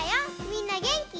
みんなげんき？